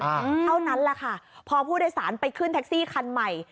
เท่านั้นแหละค่ะพอผู้โดยสารไปขึ้นแท็กซี่คันใหม่